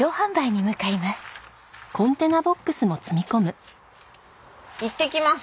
いってきます。